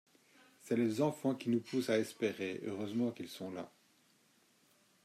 C'est les enfants qui nous poussent à espérer, heureusement qu'ils sont là.